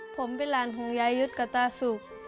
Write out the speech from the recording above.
ผมเป็นหลานของยายุทธ์กับตาสุก